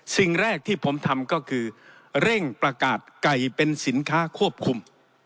สิ่งแรกที่ผมทำก็คือเร่งประกาศไก่เป็นสินค้าควบคุม